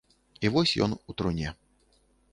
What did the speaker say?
І вось ён у труне.